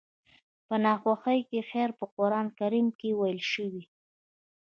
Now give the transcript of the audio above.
په ناخوښو کې خير په قرآن کريم کې ويل شوي.